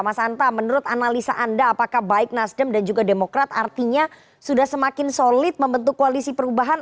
mas anta menurut analisa anda apakah baik nasdem dan juga demokrat artinya sudah semakin solid membentuk koalisi perubahan